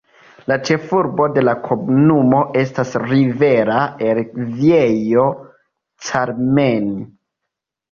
La ĉefurbo de la komunumo estas Rivera el Viejo Carmen.